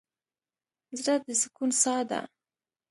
زړه د سکون څاه ده.